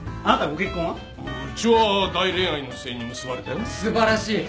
うっうちは大恋愛の末に結ばれたよ。素晴らしい。